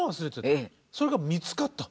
それが見つかった。